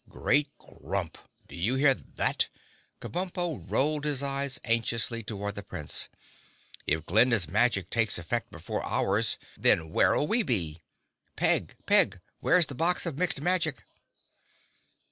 "Great Grump! Do you hear that?" Kabumpo rolled his eyes anxiously toward the Prince. "If Glinda's magic takes effect before ours then where'll we be? Peg! Peg! Where's the box of Mixed Magic?"